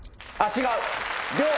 違う？